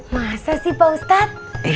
masa sih pak ustadz